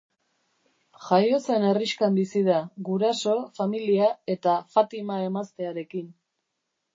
Jaio zen herrixkan bizi da, guraso, familia eta Fatima emaztearekin.